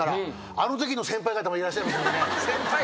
あのときの先輩方もいらっしゃいますんでね。